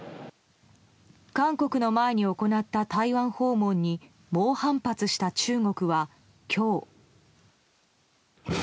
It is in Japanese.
韓国の前に行った台湾訪問に猛反発した中国は今日。